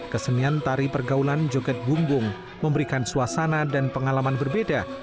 kesenian tari pergaulan joget bumbung memberikan suasana dan pengalaman berbeda